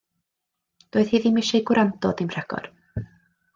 Doedd hi ddim eisiau gwrando dim rhagor.